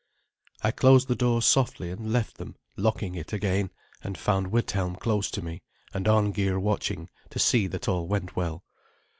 I closed the door softly and left them, locking it again, and found Withelm close to me, and Arngeir watching to see that all went well.